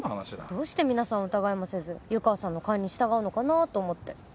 どうして皆さん疑いもせず湯川さんの勘に従うのかなと思って。